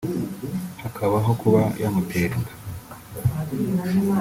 hakabaho kuba yamutera inda